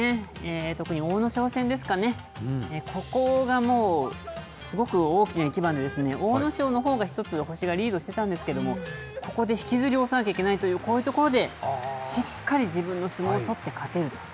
特に阿武咲戦ですかね、ここがもう、すごく大きな一番で、阿武咲のほうが１つ星がリードしてたんですけれども、ここで引きずり下ろさなきゃいけという、こういうところでしっかり自分の相撲を取って勝てると。